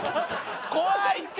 怖いって！